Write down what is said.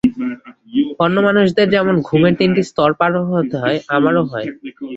অন্য মানুষদের যেমন ঘুমের তিনটি স্তর পার হতে হয়, আমারও হয়।